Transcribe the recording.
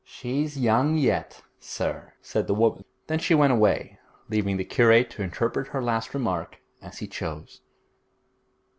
'She's young yet, sir,' said the woman. Then she went away, leaving the curate to interpret her last remark as he chose.